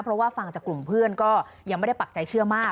เพราะว่าฟังจากกลุ่มเพื่อนก็ยังไม่ได้ปักใจเชื่อมาก